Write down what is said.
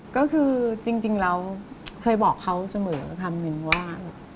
ก็คือจริงแล้วเคยบอกเขาเสมอคำนึงว่า